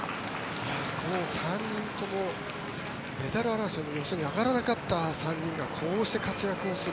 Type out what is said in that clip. ３人ともメダル争いの予想に上がらなかった３人がこうして活躍をする。